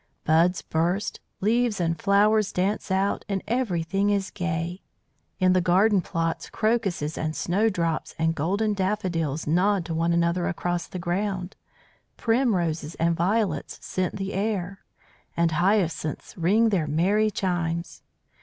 Buds burst, leaves and flowers dance out, and everything is gay. "In the garden plots crocuses and snowdrops and golden daffodils nod to one another across the ground, primroses and violets scent the air, and hyacinths ring their merry chimes.